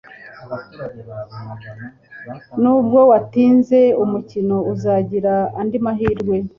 Nubwo watsinzwe umukino uzagira andi mahirwe